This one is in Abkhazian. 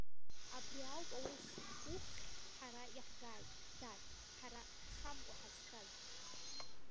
Абри ауп аус, уххь ҳара иаҳгааит, дад, ҳара ҳшамкәа ҳазшаз.